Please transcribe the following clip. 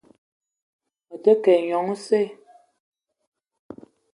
Me te ke ayi nyong oseu.